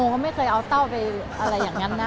เขาไม่เคยเอาเต้าไปอะไรอย่างนั้นนะ